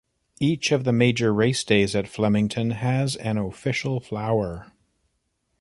Each of the major racedays at Flemington has an official flower.